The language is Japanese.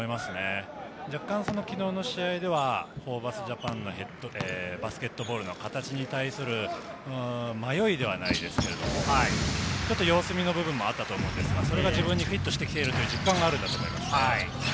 若干、昨日の試合ではホーバスＪＡＰＡＮのバスケットボールの形に対する迷いではないですけれども、様子見の部分もあったと思うんですが、それが自分にフィットしてきている実感があるんだと思います。